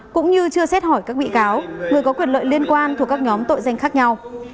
cũng như chưa xét hỏi các bị cáo người có quyền lợi liên quan thuộc các nhóm tội danh khác nhau